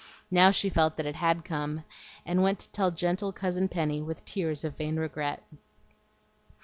Now she felt that it HAD come, and went to tell gentle Cousin Penny with tears of vain regret.